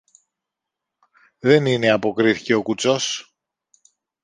Δεν είναι, αποκρίθηκε ο κουτσός.